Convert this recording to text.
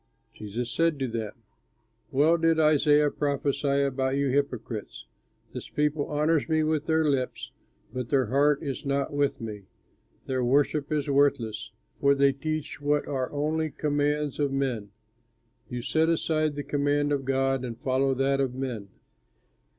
Jesus said to them, "Well did Isaiah prophesy about you hypocrites: 'This people honors me with their lips, but their heart is not with me; their worship is worthless, for they teach what are only commands of men.' You set aside the command of God and follow that of men.